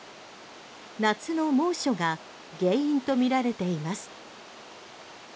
夏の猛暑が原因とみられています。